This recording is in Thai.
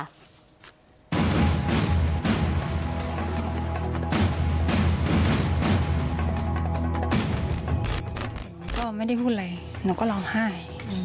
หนูก็ไม่ได้พูดอะไรหนูก็ร้องไห้